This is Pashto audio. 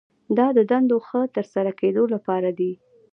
دا د دندو د ښه ترسره کیدو لپاره دي.